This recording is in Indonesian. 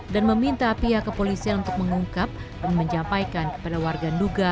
dan meminta pihak kepolisian untuk mengungkap dan menjampaikan kepada warga nduga